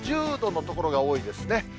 １０度の所が多いですね。